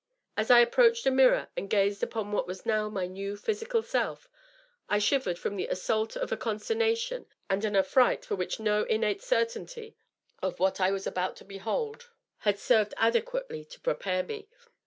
As I approached a mirror and gazed upon what was now my new physical self, I shivered from the assault of a consternation and an affright for which no innate certainty of what I was about to behold DOUGLAS DUANE. 617 had served adequately to prepare me.